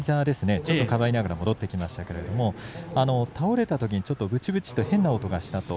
ちょっとかばいながら戻ってきましたけれども倒れたときに、ちょっとブチブチと変な音がしたと。